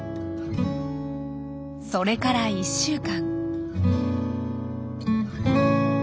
それから１週間。